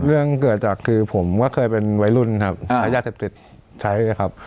เรื่องเกิดจากคือผมก็เคยเป็นวัยรุ่นครับทายาทศิษย์ใช้เลยครับ